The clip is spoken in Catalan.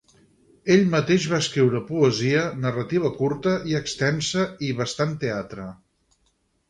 Ell mateix va escriure poesia, narrativa curta i extensa, i bastant teatre.